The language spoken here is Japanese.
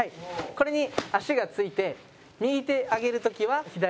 これに足がついて右手上げる時は左足がついてる。